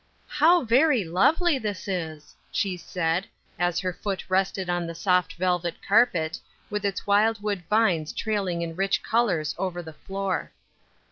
" How very lovely this is !" she said, as her foot rested on the soft velvet carpet, with its wild wood vines trailing in rich colors over the floor.